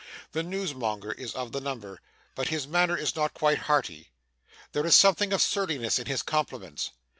The newsmonger is of the number, but his manner is not quite hearty there is something of surliness in his compliments.